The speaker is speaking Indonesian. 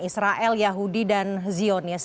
israel yahudi dan zionis